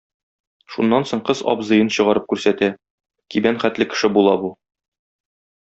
Шуннан соң кыз абзыен чыгарып күрсәтә, кибән хәтле кеше була бу.